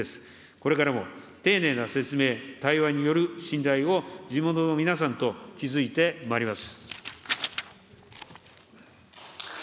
これからも丁寧な説明、対話による信頼を地元の皆さんと築いてまいります。